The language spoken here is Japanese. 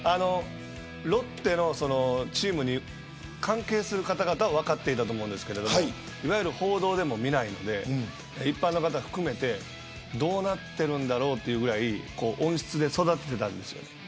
ロッテのチームに関係する方々は分かっていたと思いますがいわゆる報道でも見ないので一般の方含めてどうなっているんだろうというぐらい温室で育ててたんですよね。